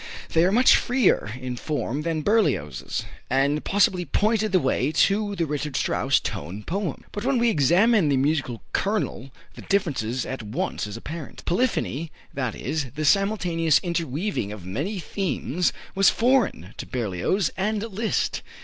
They are much freer in form than Berlioz's, and possibly pointed the way to the Richard Strauss tone poem. But when we examine the musical kernel, the difference at once is apparent. Polyphony, that is, the simultaneous interweaving of many themes, was foreign to Berlioz and Liszt.